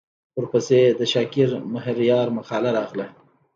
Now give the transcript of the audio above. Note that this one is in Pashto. ورپسې د شاکر مهریار مقاله راغله.